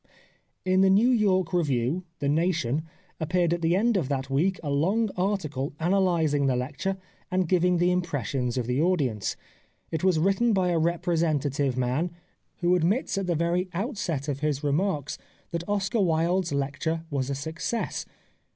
In the New York review. The Nation^ appeared at the end of that week a long article analysing the lecture and giving the impressions of the audience.^ It was written by a representative man, who admits at the very outset of his re ' Reprinted in the Appendix. 199 The Life of Oscar Wilde marks that Oscar Wilde's lecture was a success.